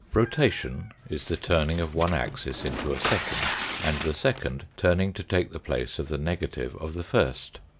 Rotation is the turning of one axis into a second, and the second turning to take the place of the negative of the first.